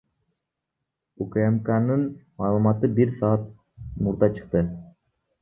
УКМКнын маалыматы бир саат мурда чыкты.